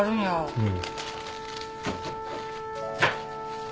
うん？